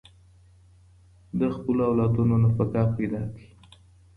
د خپلو اولادونو نفقه پيدا کړئ.